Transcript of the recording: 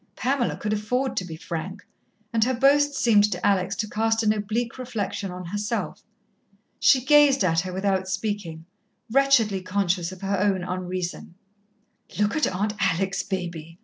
Pamela could afford to be frank, and her boast seemed to Alex to cast an oblique reflection on herself. She gazed at her without speaking, wretchedly conscious of her own unreason. "Look at Aunt Alex, Baby!"